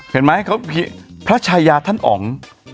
เห็นไหมพระชายาท่านอ๋อง